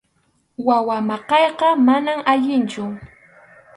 Wawa maqayqa manam allinchu.